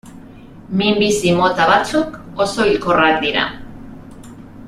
Minbizi mota batzuk oso hilkorrak dira.